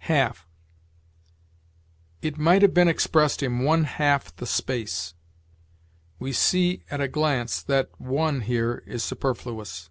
HALF. "It might have been expressed in one half the space." We see at a glance that one here is superfluous.